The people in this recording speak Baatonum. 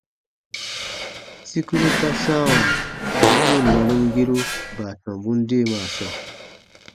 Sikuru ta sãawa wuro nanumgiru baatɔmbun deemaa sɔɔ.